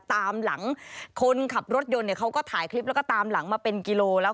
ตามหลังคนขับรถยนต์เนี่ยเขาก็ถ่ายคลิปแล้วก็ตามหลังมาเป็นกิโลแล้ว